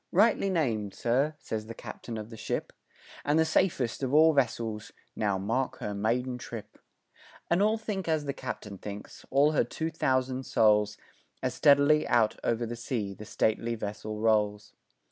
rightly named, sir" says the captain of the ship, "And the safest of all vessels now mark her maiden trip," And all think as the captain thinks all her two thousand souls As steadily out o'er the sea the stately vessel rolls.